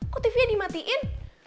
kok tv nya dimatiin